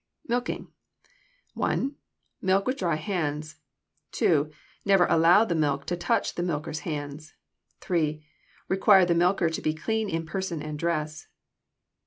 Milking 1. Milk with dry hands. 2. Never allow the milk to touch the milker's hands. 3. Require the milker to be clean in person and dress.